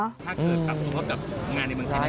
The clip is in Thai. ถ้าเกิดกลับกรุงวัฒน์กับงานในเมืองไทย